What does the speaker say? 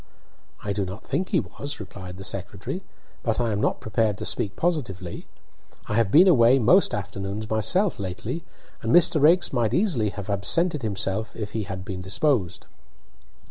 "I do not think he was," replied the secretary, "but I am not prepared to speak positively. I have been away most afternoons myself lately, and Mr. Raikes might easily have absented himself if he had been disposed."